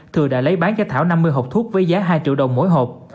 thừa đã lấy bán cho thảo năm mươi hộp thuốc với giá hai triệu đồng mỗi hộp